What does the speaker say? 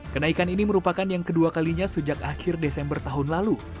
kenaikan ini merupakan yang kedua kalinya sejak akhir desember tahun lalu